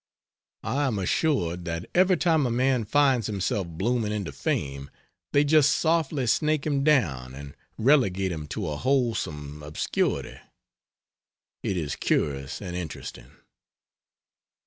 I am assured that every time a man finds himself blooming into fame, they just softly snake him down and relegate him to a wholesome obscurity. It is curious and interesting.